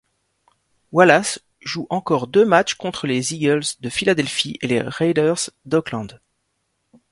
Wallace joue encore deux matchs contre les Eagles de Philadelphie et les Raiders d'Oakland.